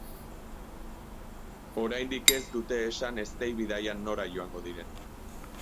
Oraindik ez dute esan eztei-bidaian nora joango diren.